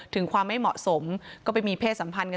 ถึงความไม่เหมาะสมก็ไปมีเพศสัมพันธ์กัน